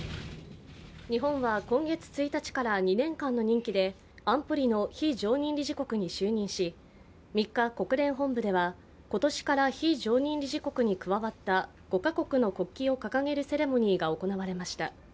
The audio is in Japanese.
日本は今月１日から２年間の任期で安保理の非常任理事国に就任し３日国連本部では今年から非常任理事国に加わった５か国の国旗を掲げるセレモニーが行われました。